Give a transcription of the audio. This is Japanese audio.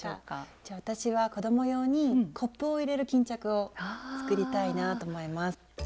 じゃあ私は子ども用にコップを入れる巾着を作りたいなぁと思います。